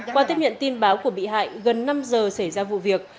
qua tiếp nhận tin báo của bị hại gần năm giờ xảy ra vụ việc